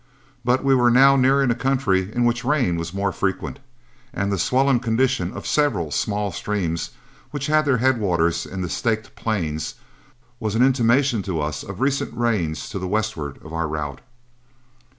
But we were now nearing a country in which rain was more frequent, and the swollen condition of several small streams which have their headwaters in the Staked Plains was an intimation to us of recent rains to the westward of our route.